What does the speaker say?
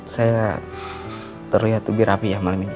saya terlihat lebih rapi ya malam ini